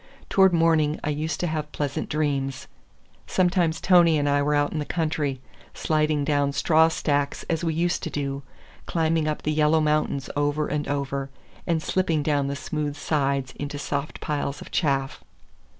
Toward morning I used to have pleasant dreams: sometimes Tony and I were out in the country, sliding down straw stacks as we used to do; climbing up the yellow mountains over and over, and slipping down the smooth sides into soft piles of chaff.